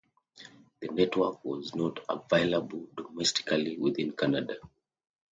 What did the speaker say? The network was not available domestically within Canada.